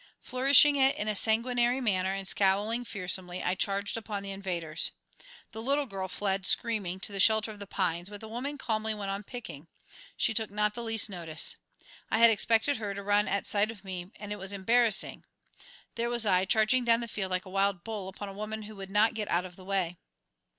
Flourishing it in a sanguinary manner and scowling fearsomely, I charged upon the invaders. The little girl fled, screaming, to the shelter of the pines, but the woman calmly went on picking. She took not the least notice. I had expected her to run at sight of me, and it was embarrassing. There was I, charging down the field like a wild bull upon a woman who would not get out of the way.